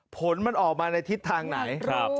ผลมันออกมาในทิศทางไหน